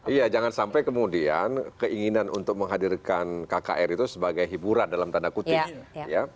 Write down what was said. iya jangan sampai kemudian keinginan untuk menghadirkan kkr itu sebagai hiburan dalam tanda kutip ya